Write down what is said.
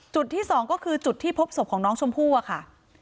จุดที่สองก็คือจุดที่พบศพของน้องชมพู่อะค่ะ